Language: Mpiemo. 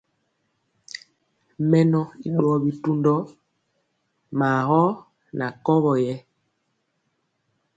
Mɛnɔ i ɗuwɔ bitundɔ maa gɔ na kɔwɔ yɛ.